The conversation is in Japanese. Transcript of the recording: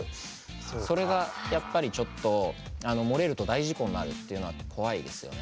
それがちょっと漏れると大事故になるっていうのは怖いですよね。